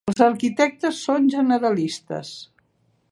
Els arquitectes són generalistes.